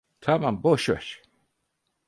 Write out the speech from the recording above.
Tamam, boşver.